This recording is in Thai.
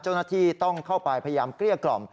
เจ้าหน้าที่ต้องเข้าไปพยายามเกลี้ยกล่อม